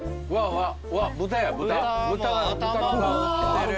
豚の頭が売ってる。